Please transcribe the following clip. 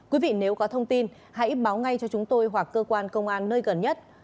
quý vị nếu có thông tin hãy báo ngay cho chúng tôi hoặc cơ quan công an nơi gần nhất